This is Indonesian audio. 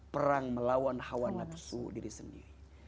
perang melawan hawa nafsu diri sendiri